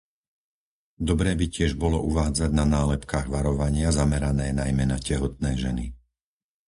Dobré by tiež bolo uvádzať na nálepkách varovania zamerané najmä na tehotné ženy.